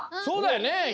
そうだよね！